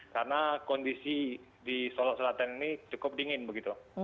karena kondisi di solok selatan ini cukup dingin begitu